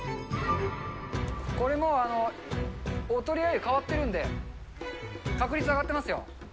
これもう、おとりあゆ、変わってるんで、確率上がってますよ。